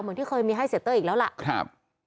เหมือนที่เคยมีให้เศษเตอร์อีกแล้วล่ะ